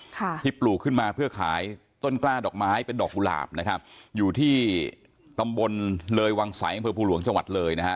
ค่ะที่ปลูกขึ้นมาเพื่อขายต้นกล้าดอกไม้เป็นดอกกุหลาบนะครับอยู่ที่ตำบลเลยวังใสอำเภอภูหลวงจังหวัดเลยนะฮะ